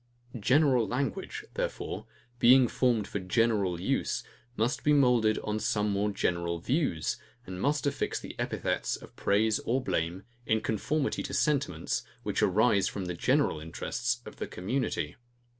General language, therefore, being formed for general use, must be moulded on some more general views, and must affix the epithets of praise or blame, in conformity to sentiments, which arise from the general interests of the community.